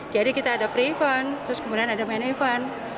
jadi kita ada pre event terus kemudian ada main event